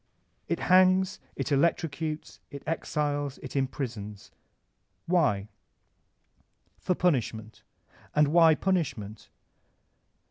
It hangs, it electrocutes, it exiles, it im prisons. Why? For punishment. And why punish ment?